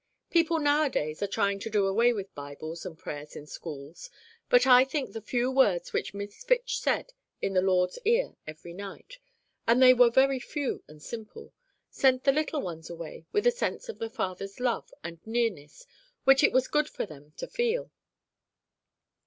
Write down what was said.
People nowadays are trying to do away with Bibles and prayers in schools, but I think the few words which Miss Fitch said in the Lord's ear every night and they were very few and simple sent the little ones away with a sense of the Father's love and nearness which it was good for them to feel.